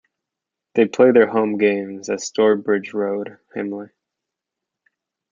They play their home games at Stourbridge Road, Himley.